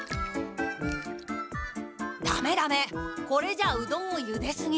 ダメダメこれじゃあうどんをゆですぎ。